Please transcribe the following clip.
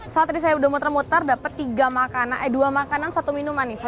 saat tadi saya udah muter muter dapat tiga makanan eh dua makanan satu minuman nih